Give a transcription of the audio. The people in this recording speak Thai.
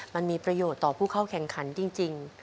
มันมีประโยชน์ต่อผู้เข้าแข่งขันจริง